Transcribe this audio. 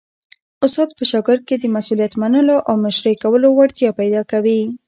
استاد په شاګرد کي د مسؤلیت منلو او مشرۍ کولو وړتیا پیدا کوي.